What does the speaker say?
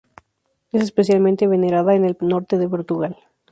Es especialmente venerada en el norte de Portugal.